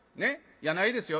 いやないですよ。